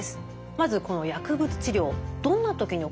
まずこの薬物治療どんな時に行うんでしょうか？